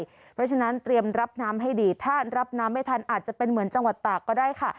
เพราะฉะนั้นเตรียมรับน้ำให้ดีถ้ารับน้ำไม่ทันอาจจะเป็นเหมือนจังหวัดตากก็ได้ค่ะ